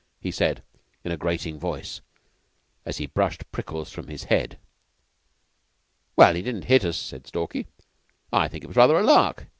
he said, in a grating voice, as he brushed prickles from his head. "Well, he didn't hit us," said Stalky. "I think it was rather a lark.